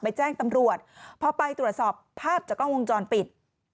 แจ้งตำรวจพอไปตรวจสอบภาพจากกล้องวงจรปิด